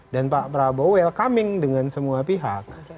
dan pak prabowo welcoming dengan semua pihak